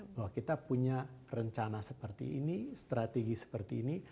bahwa kita punya rencana seperti ini strategi seperti ini